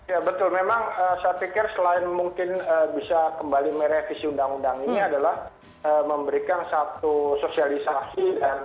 ya betul memang saya pikir selain mungkin bisa kembali merevisi undang undang ini adalah memberikan satu sosialisasi